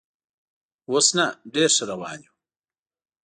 اوس نه، ډېر ښه روان یو.